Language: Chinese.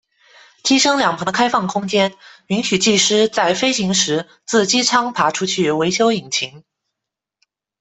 机身两旁的开放空间允许技师在飞行时自机舱爬出去维修引擎。